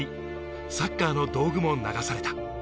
サッカーの道具も流された。